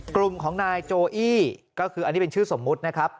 กลุ่มของนายโจอี้ก็คืออันนี้เป็นชื่อสมมุตินะครับ